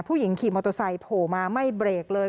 ผู้หญิงขี่มอเตอร์ไซต์โผล่มาไม่เบรกเลย